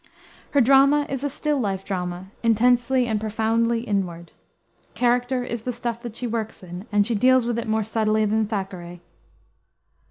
Her drama is a still life drama, intensely and profoundly inward. Character is the stuff that she works in, and she deals with it more subtly than Thackeray.